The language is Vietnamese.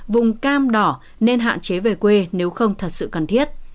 vùng cam đỏ nên hạn chế về quê nếu không thật sự cần thiết